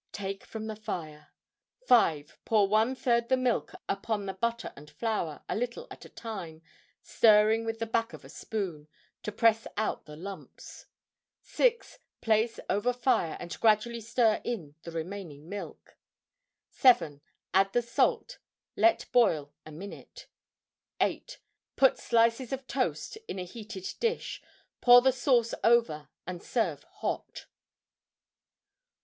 Take from the fire. 5. Pour 1/3 the milk upon the butter and flour, a little at a time, stirring with the back of a spoon to press out the lumps. 6. Place over fire, and gradually stir in the remaining milk. [Illustration: Measuring Cup & Pitcher] 7. Add the salt. Let boil a minute. 8. Put slices of toast in a heated dish; pour the sauce over and serve hot.